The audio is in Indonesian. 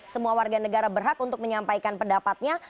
semua warga negara berhak untuk menyampaikan pendapatnya